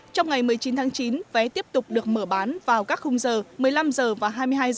trong ngày một mươi chín tháng chín vé tiếp tục được mở bán vào các khung giờ một mươi năm h và hai mươi hai h